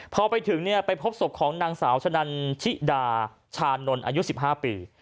พอไปถึงไปพบศพของนางสาวชะนันชิดาชานนท์อายุ๑๕ปี